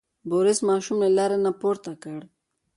بوریس ماشوم له لارې نه پورته کړ.